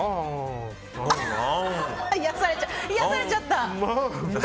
癒やされちゃった。